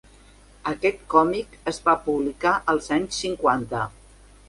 Aquest còmic es va publicar als anys cinquanta.